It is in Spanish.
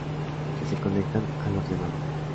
Que se conectan al ordenador.